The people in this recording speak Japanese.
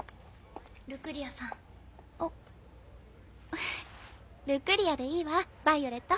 フフ「ルクリア」でいいわヴァイオレット。